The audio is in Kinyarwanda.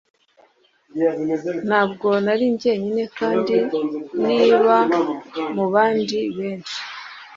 Ntabwo nari jyenyine kandi niba mubandi benshi